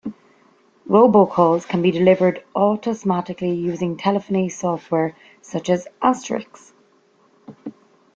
Robocalls can be delivered autosmatically using telephony software, such as Asterisk.